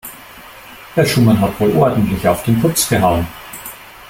Herr Schumann hat wohl ordentlich auf den Putz gehauen.